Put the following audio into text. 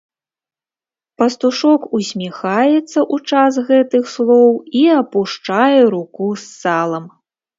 Пастушок усміхаецца ў час гэтых слоў і апушчае руку з салам.